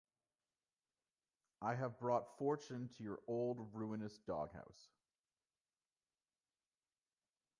I have brought fortune to your old ruinous doghouse.